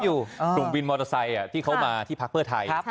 อยู่อ่าตรงบินมอเตอร์ไซค์อ่ะที่เขามาที่พักเพื่อไทยครับ